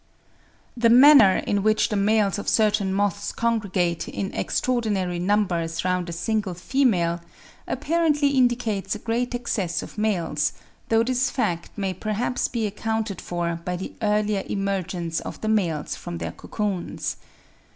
The manner in which the males of certain moths congregate in extraordinary numbers round a single female, apparently indicates a great excess of males, though this fact may perhaps be accounted for by the earlier emergence of the males from their cocoons.